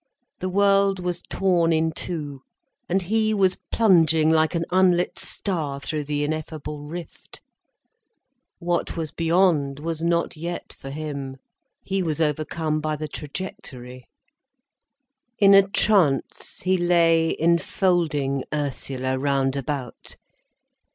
The world was torn in two, and he was plunging like an unlit star through the ineffable rift. What was beyond was not yet for him. He was overcome by the trajectory. In a trance he lay enfolding Ursula round about.